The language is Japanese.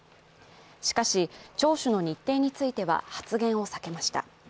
しかし、聴取の日程については発言を避けました。